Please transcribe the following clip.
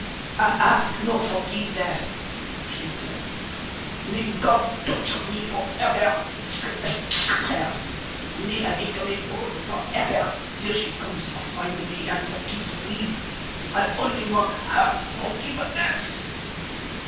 "I ask no forgiveness," she said. "May God torture me for ever, because I killed her; may I become a brute for ever till she comes to find me and forgives me! I only want her forgiveness."